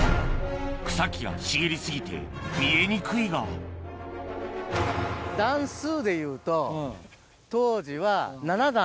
草木が茂り過ぎて見えにくいが段数でいうと当時は。